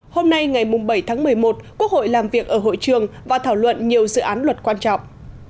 hôm nay ngày bảy tháng một mươi một quốc hội làm việc ở hội trường và thảo luận nhiều dự án luật quan trọng